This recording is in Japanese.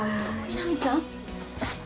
南ちゃん！